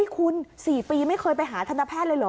คุณ๔ปีไม่เคยไปหาทันตแพทย์เลยเหรอ